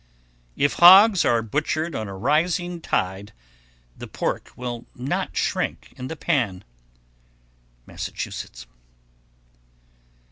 _ 1128. If hogs are butchered on a rising tide, the pork will not shrink in the pan. _Massachusetts.